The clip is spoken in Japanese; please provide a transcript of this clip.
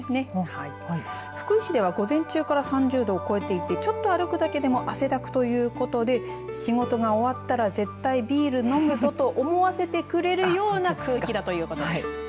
福井市では午前中から３０度を超えていてちょっと歩くだけでも汗だくということで仕事が終わったら絶対ビール飲むぞと思わせてくれるような天気だということです。